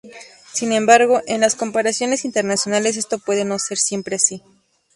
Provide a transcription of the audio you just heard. Sin embargo, en las comparaciones internacionales esto puede no ser siempre así.